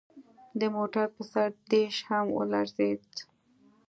د موټر پر سر ډیش هم ولړزید